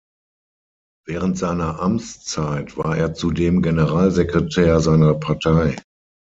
Während seiner Amtszeit war er zudem Generalsekretär seiner Partei.